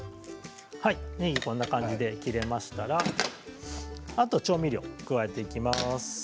ねぎはこんな感じで切れましたらあとは調味料を加えていきます。